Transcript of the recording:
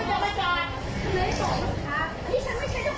รู้หรือเปล่า